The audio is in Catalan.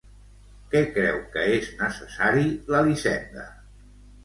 Què creu que és necessari l'Elisenda?